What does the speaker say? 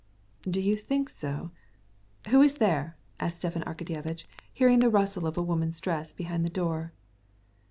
"Do you think so? Who's there?" asked Stepan Arkadyevitch, hearing the rustle of a woman's dress at the door.